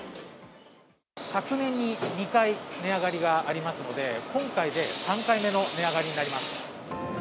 昨年に２回、値上がりがありますので、今回で３回目の値上がりになります。